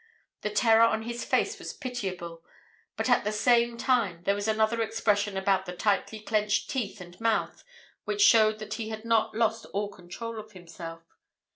The terror on his face was pitiable, but at the same time there was another expression about the tightly clenched teeth and mouth which showed that he had not lost all control of himself.